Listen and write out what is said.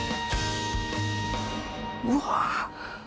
うわ。